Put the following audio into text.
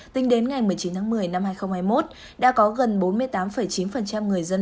tính đến ngày một mươi chín tháng một mươi năm hai nghìn hai mươi một đã có gần bốn mươi tám chín người dân